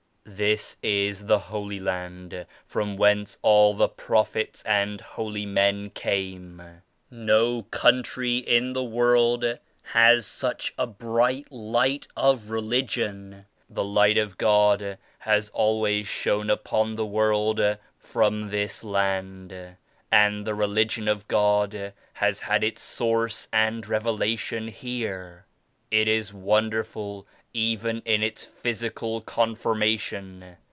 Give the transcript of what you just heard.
"This is the Holy Land from whence all the Prophets and Holy Men came. No country in the world has such a bright light of Religion. The Light of God has always shone upon the world from this land and the Religion of God has had its Source and Revelation here. It is 65 wonderful even in its physical conformation.